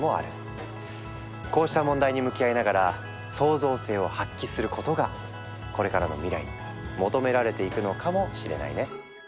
こうした問題に向き合いながら創造性を発揮することがこれからの未来に求められていくのかもしれないね。